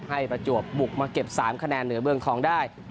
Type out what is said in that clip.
ประจวบบุกมาเก็บ๓คะแนนเหนือเมืองทองได้